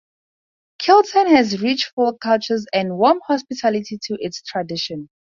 Kiltan has rich folk cultures and warm hospitality to its tradition.